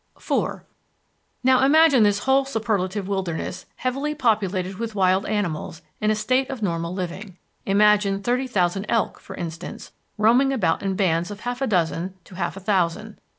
IV Now imagine this whole superlative wilderness heavily populated with wild animals in a state of normal living. Imagine thirty thousand elk, for instance, roaming about in bands of half a dozen to half a thousand.